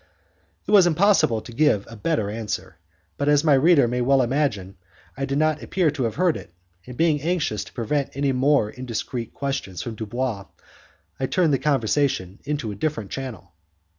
It was impossible to give a better answer, but as my readers may well imagine, I did not appear to have heard it, and being anxious to prevent any more indiscreet questions from Dubois I turned the conversation into a different channel.